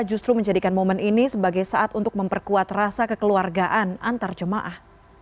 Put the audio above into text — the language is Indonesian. justru menjadikan momen ini sebagai saat untuk memperkuat rasa kekeluargaan antar jemaah